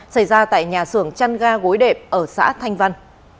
xảy ra tại nhà xưởng chăn ga gối đệm ở xã thanh văn